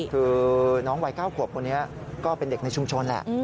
คือน้องวัย๙ขวบคนนี้ก็เป็นเด็กในชุมชนแหละ